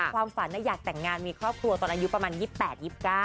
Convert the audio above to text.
ความฝันอยากแต่งงานมีครอบครัวตอนอายุประมาณ๒๘๒๙